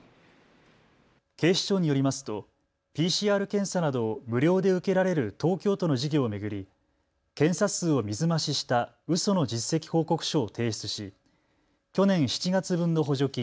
警視庁によりますとＰＣＲ検査などを無料で受けられる東京都の事業を巡り検査数を水増ししたうその実績報告書を提出し去年７月分の補助金